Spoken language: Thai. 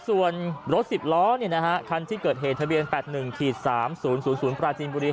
ส่วนรถสิบล้อเนี่ยนะฮะคันที่เกิดเหตุทะเบียน๘๑๓๐๐๐ปราชินบุรี